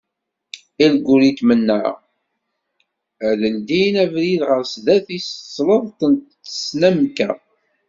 Ilguritmen-a, ad d-ldin abrid ɣer sdat i tesleḍt n tesnamka.